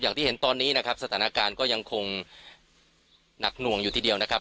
อย่างที่เห็นตอนนี้นะครับสถานการณ์ก็ยังคงหนักหน่วงอยู่ทีเดียวนะครับ